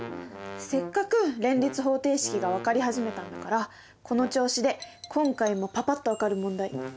せっかく連立方程式が分かり始めたんだからこの調子で今回もパパっと分かる問題やってみよう！